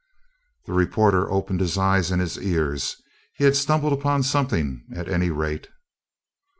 The reporter opened his eyes and his ears. He had stumbled upon something, at any rate.